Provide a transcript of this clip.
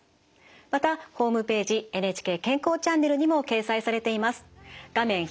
またホームページ「ＮＨＫ健康チャンネル」にも掲載されています。